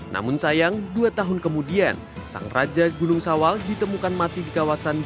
namun sayang dua tahun kemudian sang raja gunung sawal ditemukan mati di kawasan